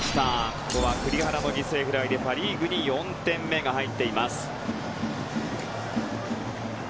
ここは栗原の犠牲フライでパ・リーグに４点目が入っています。